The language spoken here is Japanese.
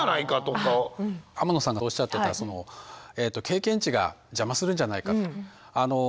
天野さんがおっしゃってた経験値が邪魔するんじゃないか。